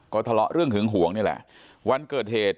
ก็ทะเลาะเรื่องหึงหวงนี่แหละวันเกิดเหตุ